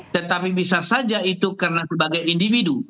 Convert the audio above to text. tetapi bisa saja itu karena sebagai individu